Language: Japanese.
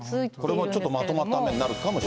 これもちょっとまとまった雨になる可能性が。